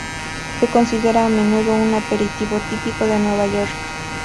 Se considera a menudo un aperitivo típico de Nueva York.